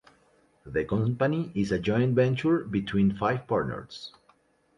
The company is a joint venture between five partners.